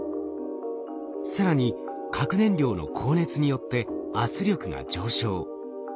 更に核燃料の高熱によって圧力が上昇。